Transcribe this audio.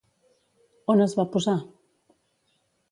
On es va posar?